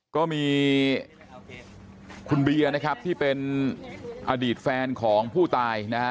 ก็มีคุณเบียร์นะครับที่เป็นอดีตแฟนของผู้ตายนะฮะ